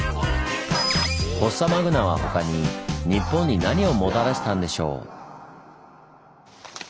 フォッサマグナはほかに日本に何をもたらしたんでしょう？